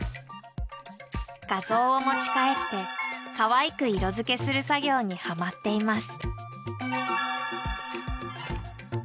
画像を持ち帰ってかわいく色付けする作業にハマっています。